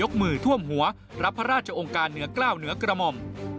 มือท่วมหัวรับพระราชองค์การเหนือกล้าวเหนือกระหม่อม